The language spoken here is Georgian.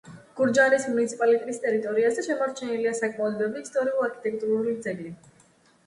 გურჯაანის მუნიციპალიტეტის ტერიტორიაზე შემორჩენილია საკმაოდ ბევრი ისტორიულ არქიტექტურული ძეგლი.